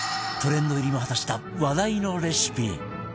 トレンド入りも果たした話題のレシピ